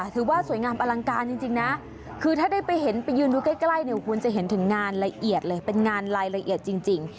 ถือว่าสวยงามอลังการจริงนะคือถ้าได้ไปเห็นไปยืนดูใกล้เนี่ยคุณจะเห็นถึงงานละเอียดเลยเป็นงานรายละเอียดจริง